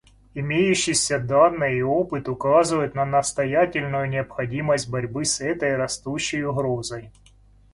Имеющиеся данные и опыт указывают на настоятельную необходимость борьбы с этой растущей угрозой.